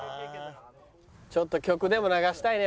ちょっと曲でも流したいね。